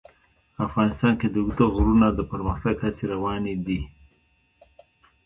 افغانستان کې د اوږده غرونه د پرمختګ هڅې روانې دي.